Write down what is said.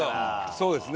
そうですね。